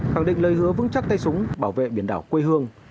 khẳng định lời hứa vững chắc tay súng bảo vệ biển đảo quê hương